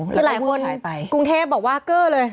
ก็หลายคนกรุงเทพบอกว่าเกลื้อเลย